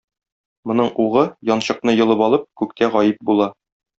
Моның угы, янчыкны йолып алып, күктә гаип була.